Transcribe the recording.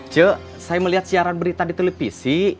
coba saya melihat siaran berita di televisi